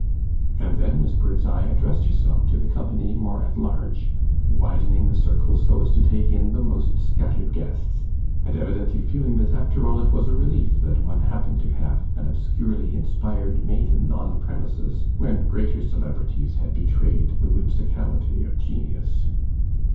And then Miss Birdseye addressed herself to the company more at large, widening the circle so as to take in the most scattered guests, and evidently feeling that after all it was a relief that one happened to have an obscurely inspired maiden on the premises when greater celebrities had betrayed the whimsicality of genius.